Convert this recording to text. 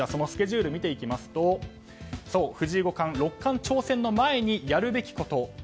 スケジュールを見てみますと藤井五冠、六冠挑戦の前にやるべきこと。